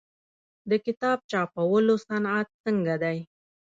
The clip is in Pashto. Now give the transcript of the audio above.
د کتاب چاپولو صنعت څنګه دی؟